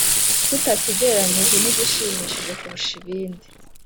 tutakigereranyije n’igishimishije kurusha ibindi.